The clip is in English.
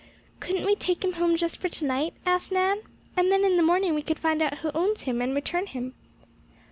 "Couldn't we take him home just for tonight?" asked Nan, "and then in the morning we could find out who owns him and return him."